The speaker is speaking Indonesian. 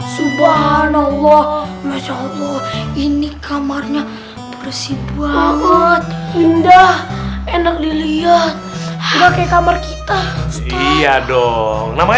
subhanallah masya allah ini kamarnya bersih banget indah enak dilihat pakai kamar kita iya dong namanya